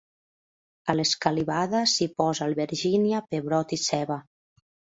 A l'escalivada s'hi posa albergínia, pebrot i ceba.